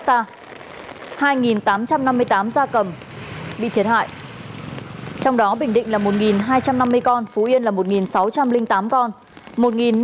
hai tám trăm năm mươi tám gia cầm bị thiệt hại trong đó bình định là một hai trăm năm mươi con phú yên là một sáu trăm linh tám con